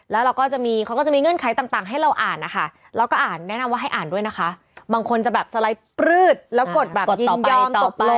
แล้วเราก็จะมีเขาก็จะมีเงื่อนไขต่างให้เราอ่านนะคะแล้วก็อ่านแนะนำว่าให้อ่านด้วยนะคะบางคนจะแบบสไลด์ปลืดแล้วกดแบบยินยอมตกลง